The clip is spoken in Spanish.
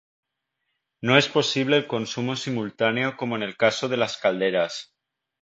No es posible el consumo simultáneo como en el caso de las calderas.